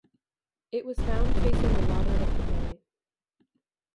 It was found facing the water of the bay.